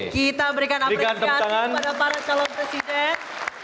kita berikan apresiasi kepada para calon presiden